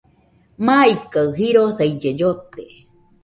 Maikaɨ jirosaille llote